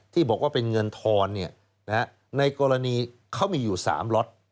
ที่บอกว่าเป็นเงินทอนในกรณีเขามีอยู่๓ล็อต